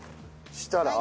そしたら。